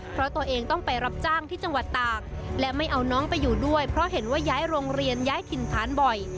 เพราะตัวเองต้องไปรับจ้างที่จังหวัดตากและไม่เอาน้องไปอยู่ด้วยเพราะเห็นว่าย้ายโรงเรียนย้ายถิ่นฐานบ่อย